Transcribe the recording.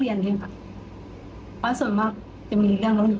ไม่ให้เขาโชว์อยู่ในพื้นที่นี้ค่ะ